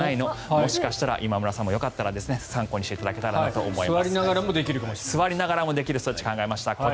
もしかしたら今村さんもよかったら参考にしていただけたらと思います。